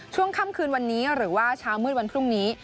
ช่วงค่ำคืนวันนี้หรือว่าเช้ามืดวันพรุ่งนี้